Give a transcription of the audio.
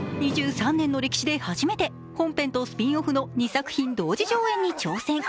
２３年の歴史で初めて本編とスピンオフの２作品同時上演に挑戦。